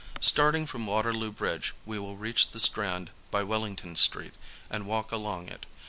Starting from Waterloo Bridge we will reach the Strand by Wellington Street and walk along it.